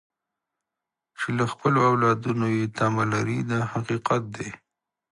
چې له خپلو اولادونو یې تمه لرئ دا حقیقت دی.